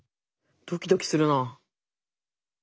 ドキドキするな。